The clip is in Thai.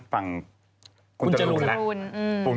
คุณจรูนแหละ